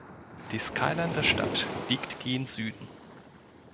Die Skyline der Stadt liegt gen Süden.